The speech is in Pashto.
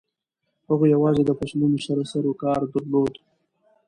هغوی یوازې د فصلونو سره سروکار درلود.